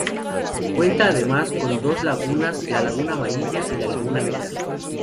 Cuenta además con dos lagunas, la Laguna Amarilla y la Laguna Negra.